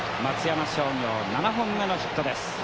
松山商業７本目のヒットです。